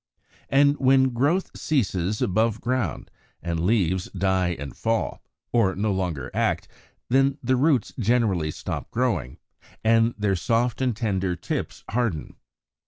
And when growth ceases above ground, and the leaves die and fall, or no longer act, then the roots generally stop growing, and their soft and tender tips harden.